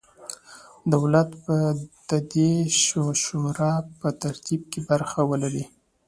دولت به د دې شورا په ترتیب کې برخه ولري.